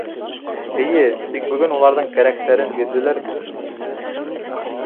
— Эйе, тик бөгөн уларҙың кәрәктәрен бирҙеләр бит.